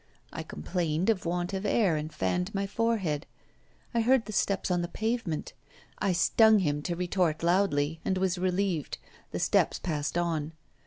I complained of want of air and fanned my forehead. I heard the steps on the pavement; I stung him to retort loudly, and I was relieved; the steps passed on.